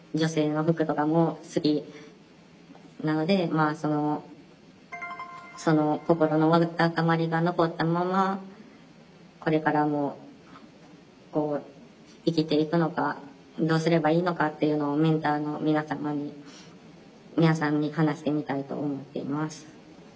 まあそのその心のわだかまりが残ったままこれからも生きていくのかどうすればいいのかっていうのをメンターの皆様に皆さんに話してみたいと思っています。